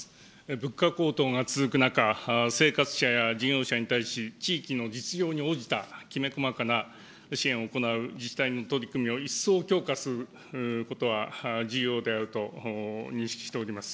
物価高騰が続く中、生活者や事業者に対し、地域の実情に応じたきめ細かな支援を行う自治体の取り組みを一層強化することは重要であると認識しております。